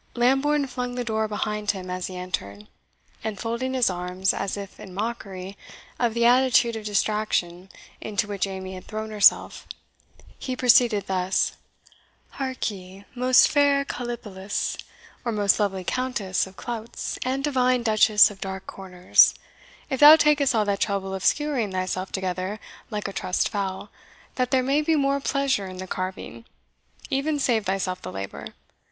Lambourne flung the door behind him as he entered, and folding his arms, as if in mockery of the attitude of distraction into which Amy had thrown herself, he proceeded thus: "Hark ye, most fair Calipolis or most lovely Countess of clouts, and divine Duchess of dark corners if thou takest all that trouble of skewering thyself together, like a trussed fowl, that there may be more pleasure in the carving, even save thyself the labour.